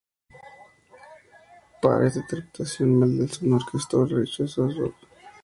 Para esta interpretación Mendelssohn orquestó el scherzo de su Octeto Op.